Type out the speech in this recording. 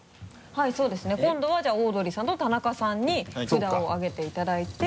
はいそうですね今度はじゃあオードリーさんと田中さんに札を上げていただいて。